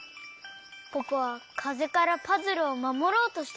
ポポはかぜからパズルをまもろうとしてくれたんですね。